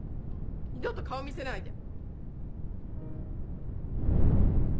二度と顔見せないで。